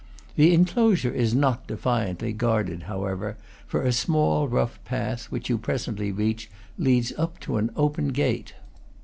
The enclosure is not defiantly guarded, however; for a small, rough path, which you presently reach, leads up to an open gate.